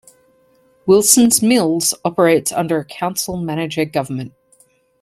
Wilson's Mills operates under a council-manager government.